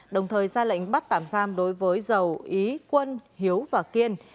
đồng thời ra lệnh bắt tạm giam đối với dầu ý quân hiếu và kiên